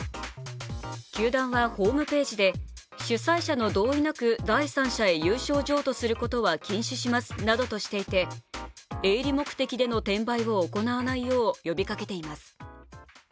球団はホームページで、主催者の同意なく第三者に有償譲渡することは禁止しますなどとしていて、営利目的での転売を行わないよう呼びかけています。